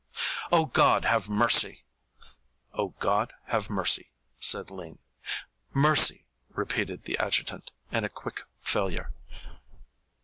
"Oh, God, have mercy " "Oh, God, have mercy " said Lean. "Mercy," repeated the adjutant, in quick failure.